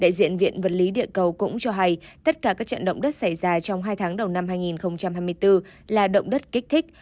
đại diện viện vật lý địa cầu cũng cho hay tất cả các trận động đất xảy ra trong hai tháng đầu năm hai nghìn hai mươi bốn là động đất kích thích